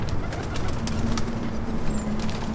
سرمايې زياتېدنې عوامل شته.